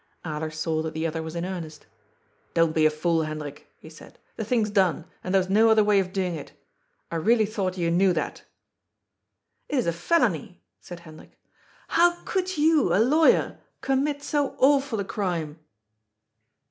Alers saw that the other was in earnest " Don't be a fool, Hendrik," he said. " The thing's done, and there was no other way of doing it. I really thought you knew that" " It is a felony," said Hendrik. " How could you, a lawyer, commit so awful a crime